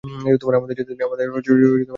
আমাদের যেতে দিন!